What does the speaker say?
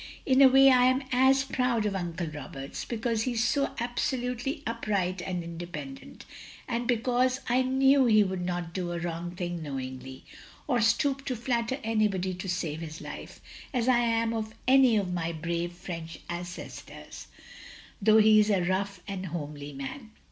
In a way OP GROSVENOR SQUARE 245 I am as proud of Uncle Roberts — ^because he is so absolutely upright and independent, and be cause I know he wotild not do a wrong thing knowingly, or stoop to flatter anybody to save his life — ^as I am of any of my brave French ancestors, though he is a rough and homely man.